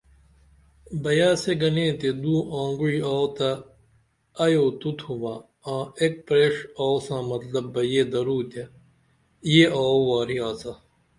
بیاسے گنے تے دو آنگعوئی تہ ائیو تو تُھومہ آں ایک پیرڜ آو ساں مطلب بہ یہ درو تہ یے آو وارے آڅا